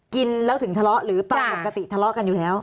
กินแล้วถึงทะเลาะหรือปลาปกติทะเลาะกันอยู่แล้ว